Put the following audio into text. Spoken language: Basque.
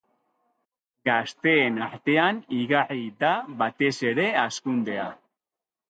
Gazteen artean igarri da batez ere hazkundea.